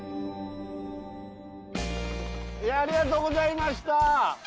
いやありがとうございました。